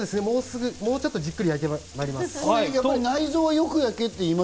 もうちょっとじっくり焼いてまいります。